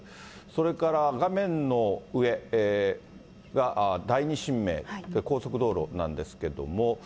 それから画面の上が第２神明高速道路なんですけれども。